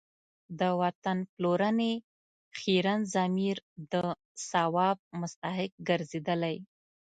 د وطن پلورنې خیرن ضمیر د ثواب مستحق ګرځېدلی.